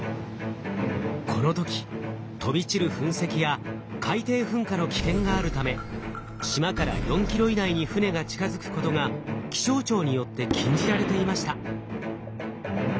この時飛び散る噴石や海底噴火の危険があるため島から４ｋｍ以内に船が近づくことが気象庁によって禁じられていました。